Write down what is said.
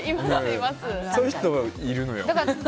そういう人もいるのよ。